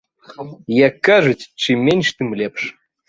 Як кажуць, чым менш, тым лепш!